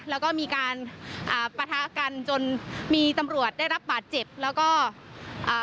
แล้วก็มีการอ่าปะทะกันจนมีตำรวจได้รับบาดเจ็บแล้วก็อ่า